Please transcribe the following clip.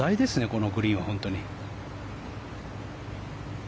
このグリーンは、本当に。